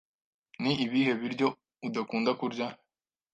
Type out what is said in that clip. Ni ibihe biryo udakunda kurya?